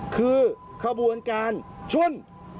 คือขบวนการชน